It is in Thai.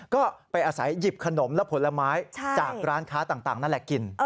ก็ไปอาศัยหยิบขนมและผลไม้จากร้านค้าต่างนั่นแหละกิน